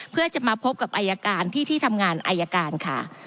เพื่อจะมาพบกับอายการที่ที่ทำงานอายการค่ะ